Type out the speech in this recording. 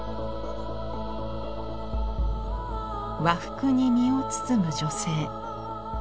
和服に身を包む女性。